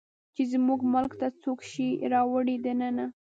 چې زموږ ملک ته څوک شی راوړي دننه